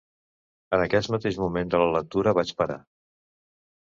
En aquest mateix moment de la lectura vaig parar.